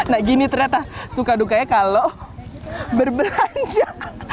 nah gini ternyata suka dukanya kalau berbelanja